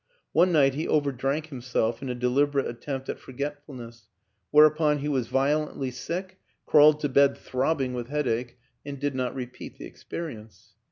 One night he overdrank himself in a deliberate attempt at forgetfulness where upon he was violently sick, crawled to bed throb bing with headache, and did not repeat the ex perience.